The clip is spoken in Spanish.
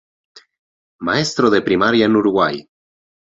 Maestro de Primaria en Uruguay.